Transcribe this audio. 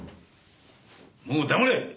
もう黙れ！